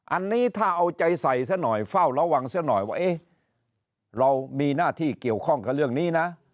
อันนี้ถ้าเอาใจใส่ซะหน่อยเฝ้าระวังซะหน่อยว่าเอ๊ะเรามีหน้าที่เกี่ยวข้องกับเรื่องนี้นะ